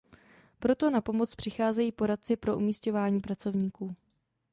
Proto na pomoc přicházejí poradci pro umisťování pracovníků.